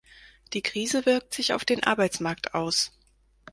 Die Krise wirkt sich auf den Arbeitsmarkt aus.